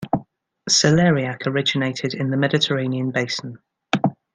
Celeriac originated in the Mediterranean Basin.